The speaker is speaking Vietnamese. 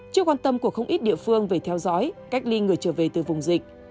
trước quan tâm của không ít địa phương về theo dõi cách ly người trở về từ vùng dịch